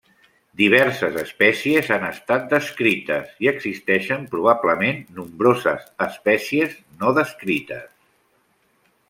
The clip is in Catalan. Diverses espècies han estat descrites i existeixen probablement nombroses espècies no descrites.